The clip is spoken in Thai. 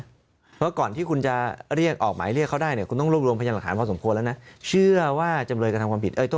เพราะว่าก่อนที่คุณจะเรียกออกหมายเรียกเขาได้เนี่ยคุณต้องรวบรวมพยานหลักฐานว่าสมควรแล้วนะ